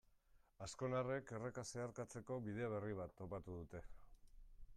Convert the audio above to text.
Azkonarrek erreka zeharkatzeko bide berri bat topatu dute.